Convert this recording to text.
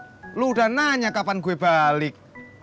kamu sudah tanya kapan saya balik